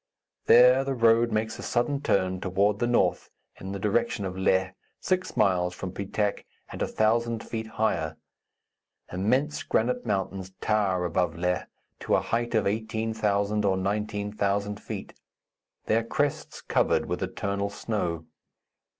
There the road makes a sudden turn toward the north, in the direction of Leh, six miles from Pitak and a thousand feet higher. Immense granite mountains tower above Leh, to a height of 18,000 or 19,000 feet, their crests covered with eternal snow.